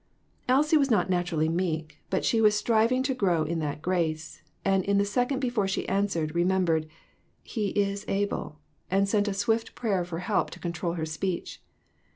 Elsie was not naturally meek, but she was striv ing to grow in that grace, and in the second before she answered, remembered "He is able," and sent a swift prayer for help to control her speech.